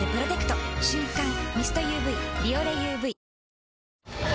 瞬感ミストＵＶ「ビオレＵＶ」